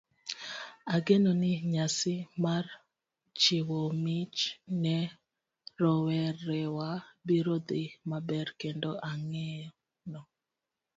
Ageno ni nyasi mar chiwo mich ne rowerewa biro dhi maber, kendo ageno